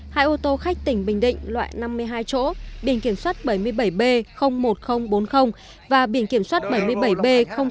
hai ô tô khách tỉnh bình định loại năm mươi hai chỗ biển kiểm soát bảy mươi bảy b một nghìn bốn mươi và biển kiểm soát bảy mươi bảy b chín trăm ba mươi tám